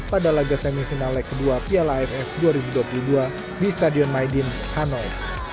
pada laga semifinal leg kedua piala aff dua ribu dua puluh dua di stadion maidin hanoi